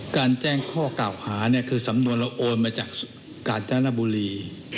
แจ้งข้อกล่าวหาเนี่ยคือสำนวนเราโอนมาจากกาญจนบุรี